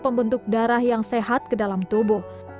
pembentuk darah yang sehat ke dalam tubuh